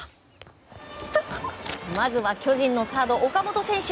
まずは巨人のサード、岡本選手。